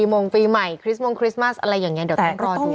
อันน็งค์ฟรีใหม่คริสตมสอะไรอย่างนี้ดีกว่าจะรออยู่